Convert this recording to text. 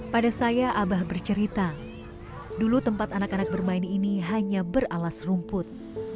pada saya abah bercerita dulu tempat anak anak bermain ini hanya beralas rumput